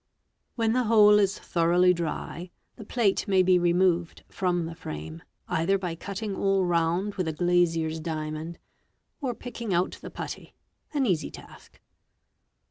When the whole is thoroughly dry, the plate may be removed from the frame, either by cutting all round with a glazier's diamond, or picking out the putty—an easy task.